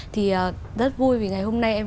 thì rất vui vì ngày hôm nay em